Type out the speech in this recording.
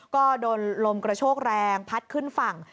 ก็โดนลมกระโชกแรงพัดขึ้นฝั่ง